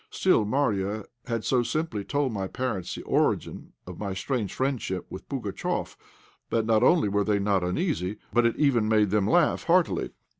Still, Marya had so simply told my parents the origin of my strange friendship with Pugatchéf that, not only were they not uneasy, but it even made them laugh heartily.